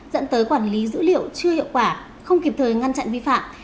dẫn tới quản lý dữ liệu chưa hiệu quả không kịp thời ngăn chặn vi phạm